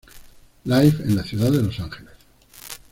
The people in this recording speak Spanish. Live en la ciudad de Los Ángeles.